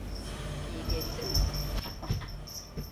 İyi geçti mi?